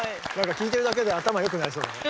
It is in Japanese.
聴いてるだけで頭良くなりそうだね。